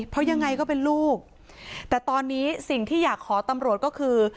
เพราะยังไงก็เป็นลูกแต่ตอนนี้สิ่งที่อยากขอตำรวจก็คือ